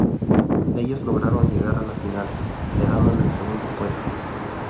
Ellos lograron llegar a la final, quedando en el segundo puesto.